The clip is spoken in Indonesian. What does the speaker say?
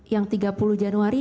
yang tiga puluh januari